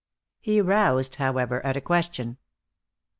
He roused, however, at a question.